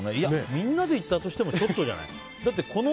みんなで行ったとしてもちょっとじゃない？